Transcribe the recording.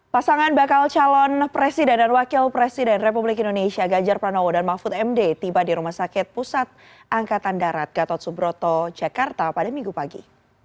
pasangan bakal calon presiden dan wakil presiden republik indonesia ganjar pranowo dan mahfud md tiba di rumah sakit pusat angkatan darat gatot subroto jakarta pada minggu pagi